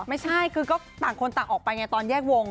ไม่ใช่คือก็ต่างคนต่างออกไปไงตอนแยกวง